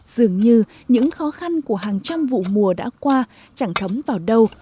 dường như những khó khăn của hàng trăm vụ mùa đã qua chẳng thấm vào đâu